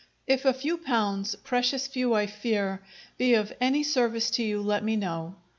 If a few pounds (precious few, I fear!) be of any service to you, let me know.